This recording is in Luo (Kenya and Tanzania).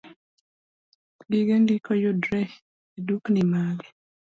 Gige ndiko yudore edukni mage